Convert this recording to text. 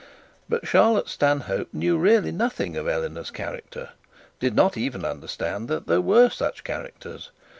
But Charlotte Stanhope knew really nothing of Eleanor's character; did not even understand that there were such characters.